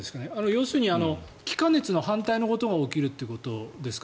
要するに、気化熱の反対のことが起きるということですか。